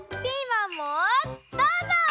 ピーマンもどうぞ！